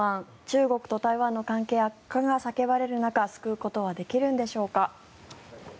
中国と台湾の関係悪化が叫ばれる中救うことはできるんでしょうか。